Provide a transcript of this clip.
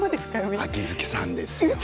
秋月さんですよ。